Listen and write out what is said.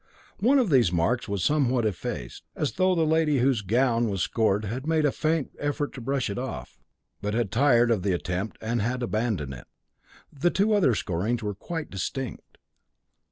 One of these marks was somewhat effaced, as though the lady whose gown was scored had made a faint effort to brush it off, but had tired of the attempt and had abandoned it. The other two scorings were quite distinct.